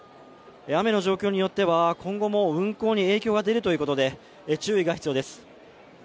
雨の状況によってや今後も運行に影響が出るということで注意が必要です。